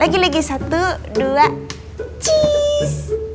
lagi lagi satu dua terus